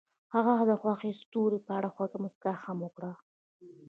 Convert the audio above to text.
هغې د خوښ ستوري په اړه خوږه موسکا هم وکړه.